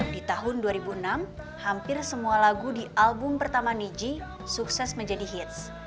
di tahun dua ribu enam hampir semua lagu di album pertama niji sukses menjadi hits